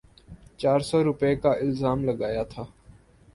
چار سو روپے کا الزام لگایا تھا۔